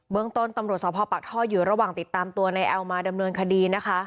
เมืองต้นตำรวจสภปากท่ออยู่ระหว่างติดตามตัวในแอลมาดำเนินคดีนะคะ